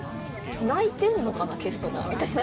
「泣いてんのかなケストナー」みたいな。